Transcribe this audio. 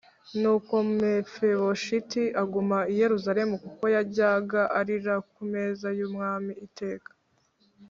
Nuko Mefibosheti aguma i Yerusalemu kuko yajyaga arira ku meza y’umwami iteka